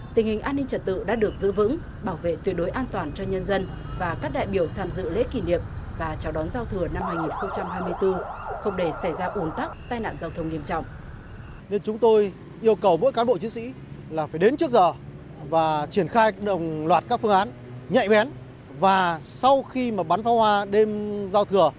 tình hình an ninh trật tự đã được giữ vững bảo vệ tuyệt đối an toàn cho nhân dân và các đại biểu tham dự lễ kỷ niệm và chào đón giao thừa năm hai nghìn hai mươi bốn không để xảy ra ủn tắc tai nạn giao thông nghiêm trọng